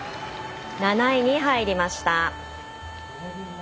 ７位に入りました。